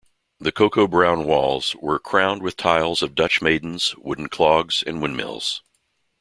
The cocoa-brown walls were crowned with tiles of Dutch maidens, wooden clogs, and windmills.